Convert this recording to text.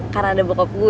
karena ada bokap gue